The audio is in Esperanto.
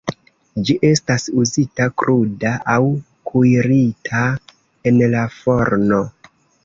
Ĝi estas uzita kruda aŭ kuirita en la forno.